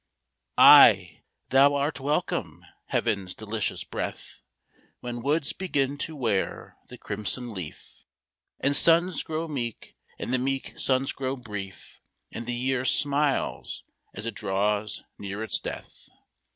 Ay, thou art welcome, heaven's delicious breath, When woods begin to wear the crimson leaf, And suns grow meek, and the meek suns grow brief, And the year smiles as it draws near its death.